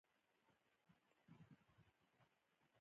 د خوست په صبریو کې د مسو نښې شته.